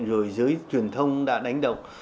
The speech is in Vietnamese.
rồi dưới truyền thông đã đánh động